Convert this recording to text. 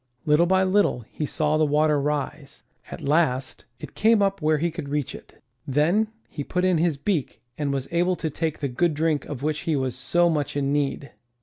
Little by little he saw the water rise. At last, it came up where he could reach it. Then he put in his beak and was able to take the good drink of which he was so much in need.